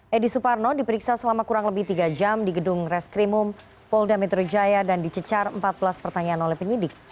edi suparno diperiksa selama kurang lebih tiga jam di gedung reskrimum polda metro jaya dan dicecar empat belas pertanyaan oleh penyidik